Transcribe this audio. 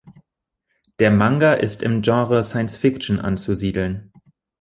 Der Manga ist im Genre Science Fiction anzusiedeln.